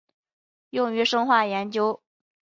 用于生化研究。